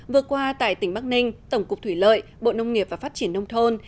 vừa qua tại tỉnh bắc ninh tổng cục thủy lợi bộ nông nghiệp và phát triển nông thôn